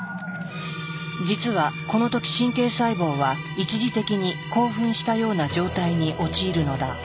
実はこの時神経細胞は一時的に興奮したような状態に陥るのだ。